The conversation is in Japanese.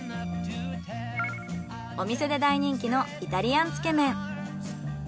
お店で大人気のイタリアンつけ麺。